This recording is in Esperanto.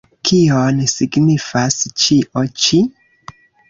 Kion signifas ĉio ĉi?